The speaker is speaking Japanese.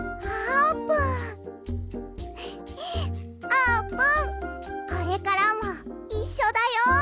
あーぷんこれからもいっしょだよ！